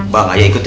bang ayah ikut ya